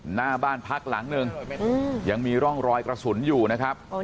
หน้าบ้านพักหลังหนึ่งยังมีร่องรอยกระสุนอยู่นะครับ